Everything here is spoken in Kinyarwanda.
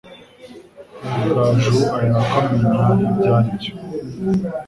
Rugaju ahera ko amenya ibyo ari byo,